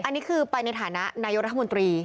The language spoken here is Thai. อันนี้คือไปในฐานะนายกรัฐมนตรี